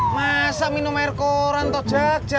masa minum air koran toh jack jack